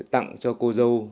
tặng cho cô dâu